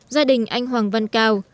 gia đình anh hoàng văn cao